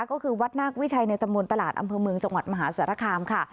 ก็คือวัดนาควิชัยในตำบลตลาดอำเภอเมืองจังหวัดมหาสารคามค่ะ